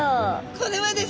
これはですね